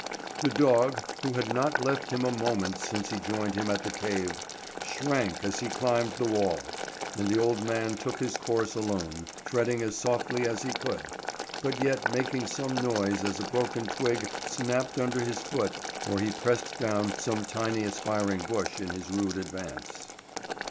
The dog, who had not left him a moment since he joined him at the cave, shrank as he climbed the wall, and the old man took his course alone, treading as softly as he could, but yet making some noise as a broken twig snapped under his foot or he pressed down some tiny aspiring bush in his rude advance.